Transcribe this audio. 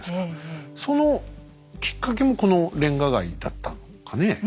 そのきっかけもこのレンガ街だったのかねえ？